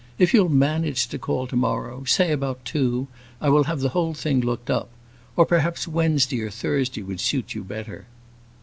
If you'll manage to call to morrow, say about two, I will have the whole thing looked up; or, perhaps Wednesday or Thursday would suit you better."